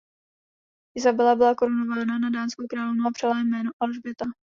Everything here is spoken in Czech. Isabela byla korunována na dánskou královnu a přijala jméno "Alžběta".